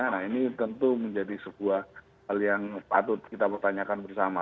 nah ini tentu menjadi sebuah hal yang patut kita pertanyakan bersama